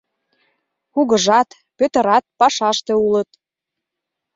Кугыжат, Пӧтырат пашаште улыт.